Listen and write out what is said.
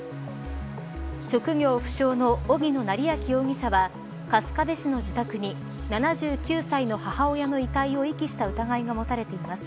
職業不詳の荻野成訓容疑者は春日部市の自宅に７９歳の母親の遺体を遺棄した疑いが持たれています。